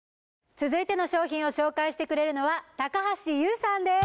続いての商品を紹介してくれるのは高橋ユウさんです